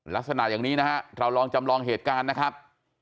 ลักษณะอย่างนี้นะฮะเราลองจำลองเหตุการณ์นะครับ